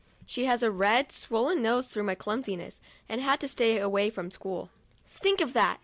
She has a red, swollen nose through my clumsiness, and has had to stay away from school. Think of that